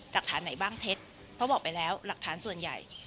หลักฐานไหนบ้างเท็จเพราะบอกไปแล้วหลักฐานส่วนใหญ่